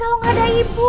kalau gak ada ibu